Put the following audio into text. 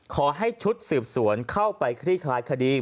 ขอให้ชุดสืบสวนเข้าไปคลี่คลายคดี